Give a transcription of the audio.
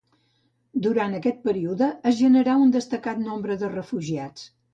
Durant aquest període, es generà un destacat nombre de refugiats.